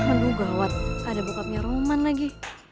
aduh gawat ada bokapnya ruman lagi